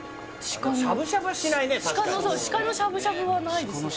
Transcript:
確かにシカのしゃぶしゃぶはないです